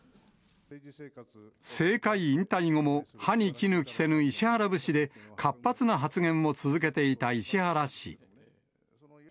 政界引退後も、歯にきぬ着せぬ石原節で活発な発言を続けていた石原氏。